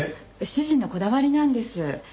主人のこだわりなんです。